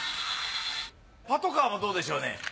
パトカーもどうでしょうね。